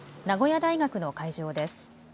名古屋大学の会場です。